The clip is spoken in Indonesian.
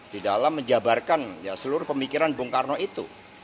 di dalam menjabarkan seluruh pemikiran bung karno itu